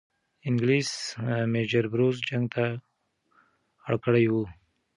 انګلیس میجر بروز جنگ ته اړ کړی وو.